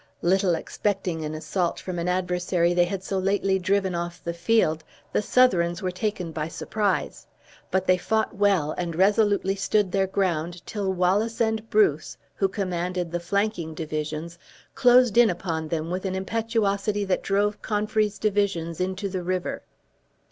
Little expecting an assault from an adversary they had so lately driven off the field, the Southrons were taken by surprise. But they fought well, and resolutely stood their ground till Wallace and Bruce, who commanded the flanking divisions, closed in upon them with an impetuosity that drove Confrey's division into the river.